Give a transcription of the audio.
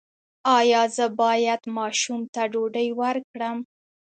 ایا زه باید ماشوم ته ډوډۍ ورکړم؟